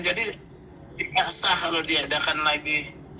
jadi tidak sah kalau diadakan lagi